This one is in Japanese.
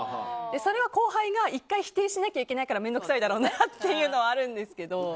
それを後輩が１回、否定しないといけないから面倒くさいだろうなっていうのはあるんですけど。